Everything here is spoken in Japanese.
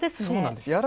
そうなんです。